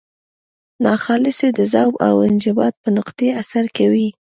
ناخالصې د ذوب او انجماد په نقطې اثر کوي.